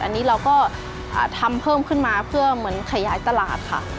อันนี้เราก็ทำเพิ่มขึ้นมาเพื่อเหมือนขยายตลาดค่ะ